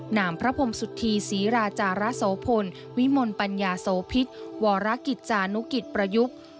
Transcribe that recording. นามพระพรมสุธีศรีราจาระโสพลวิมลปัญญาโสพิษวรกิจจานุกิจประยุกต์